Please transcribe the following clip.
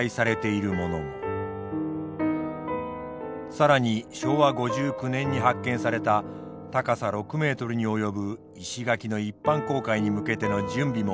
更に昭和５９年に発見された高さ６ｍに及ぶ石垣の一般公開に向けての準備も行われています。